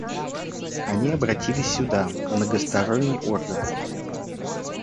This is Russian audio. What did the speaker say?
Они обратились сюда, в многосторонний орган.